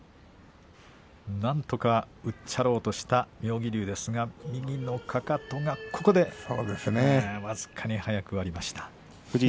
なんとかうっちゃろうとした妙義龍ですが右のかかとが僅かに早く土俵を割りました。